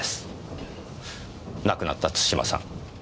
亡くなった津島さん。